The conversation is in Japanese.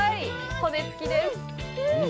骨付きです。